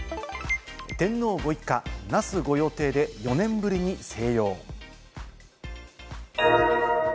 天皇ご一家、那須御用邸で４年ぶりに静養。